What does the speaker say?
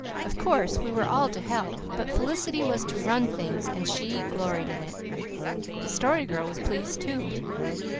Of course, we were all to help; but Felicity was to "run things," and she gloried in it. The Story Girl was pleased, too.